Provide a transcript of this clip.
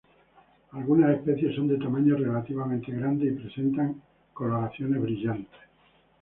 Algunas especie son de tamaño relativamente grande y presentan coloraciones brillantes.